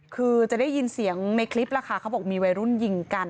คือจะได้ยินเสียงในคลิปล่ะค่ะเขาบอกมีวัยรุ่นยิงกัน